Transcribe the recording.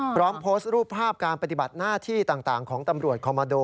พร้อมโพสต์รูปภาพการปฏิบัติหน้าที่ต่างของตำรวจคอมมาโด